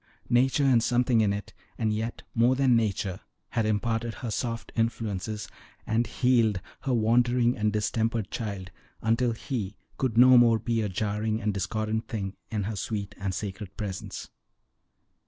Nature, and something in and yet more than nature, had imparted her "soft influences" and healed her "wandering and distempered child" until he could no more be a "jarring and discordant thing" in her sweet and sacred presence.